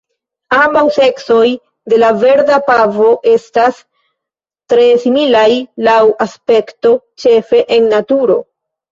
Ambaŭ seksoj de la Verda pavo estas tre similaj laŭ aspekto, ĉefe en naturo.